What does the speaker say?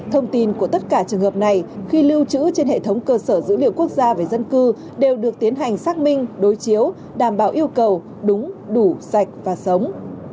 thông tin của tất cả trường hợp này khi lưu trữ trên hệ thống cơ sở dữ liệu quốc gia về dân cư đều được tiến hành xác minh đối chiếu đảm bảo yêu cầu đúng đủ sạch và sống